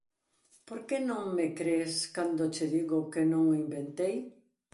Por que non me cres cando che digo que non o inventei?